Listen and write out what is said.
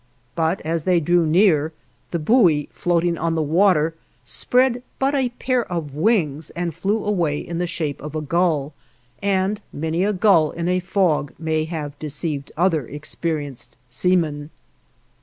but as they drew near, the buoy floating on the water spread but a pair of wings and flew away in the shape of a gull, and many a gull in a fog may have deceived other experienced seamen.